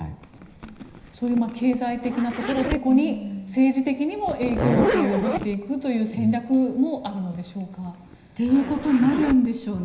そういう経済的なところをてこに政治的にも影響力を及ぼしていくという戦略もあるのでしょうか。ということになるんでしょうね。